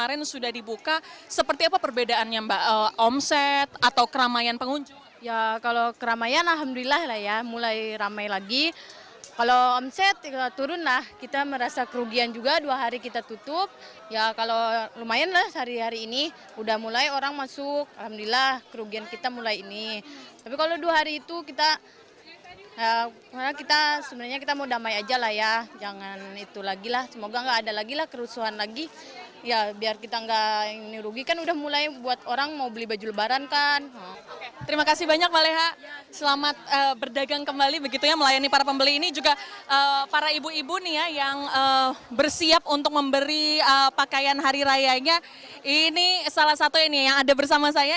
ini juga para ibu ibu yang bersiap untuk memberi pakaian hari rayanya ini salah satu yang ada bersama saya